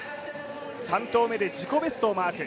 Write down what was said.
３投目で自己ベストをマーク。